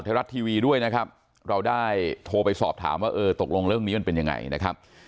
ไทยรัฐทีวีด้วยนะครับเราได้โทรไปสอบถามว่าเออตกลงเรื่องนี้มันเป็นยังไงนะครับ